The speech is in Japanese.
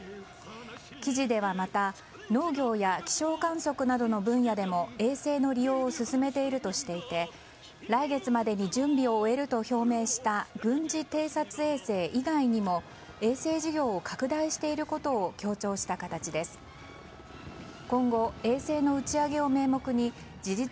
記事ではまた農業や気象観測などの分野でも衛星の利用を進めているとしていて来月までに準備を終えると表明した軍事偵察衛星以外にも「ぽかぽか」月曜日そろそろエンディングのお時間でございます。